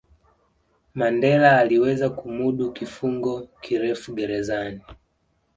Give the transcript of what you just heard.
Mandela aliweza kumudu kifungo kirefu gerezani